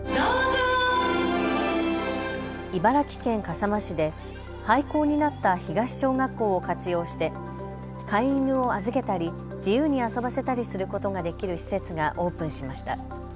茨城県笠間市で廃校になった東小学校を活用して飼い犬を預けたり自由に遊ばせたりすることができる施設がオープンしました。